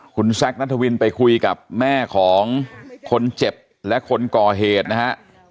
คุณแซคนัทวินไปคุยกับแม่ของคนเจ็บและคนก่อเหตุนะฮะ